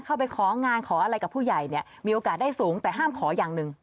ของานขออะไรกับผู้ใหญ่เนี่ยมีโอกาสได้สูงแต่ห้ามขออย่างหนึ่ง